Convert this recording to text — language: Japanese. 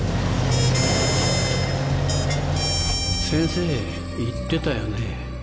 先生言ってたよね